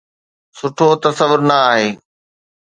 سٺو تصور نه آهي